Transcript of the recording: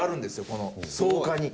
この草加に。